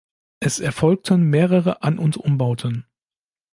Es erfolgten mehrere An- und Umbauten.